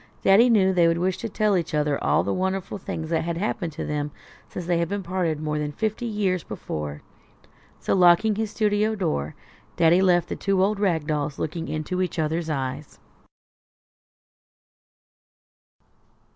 Daddy knew they would wish to tell each other all the wonderful things that had happened to them since they had parted more than fifty years before. So, locking his studio door, Daddy left the two old rag dolls looking into each other's eyes.